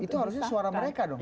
itu harusnya suara mereka dong